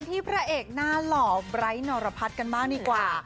ที่พระเอกหน้าหล่อไบร์ทหนอรพัดกันมากดีกว่า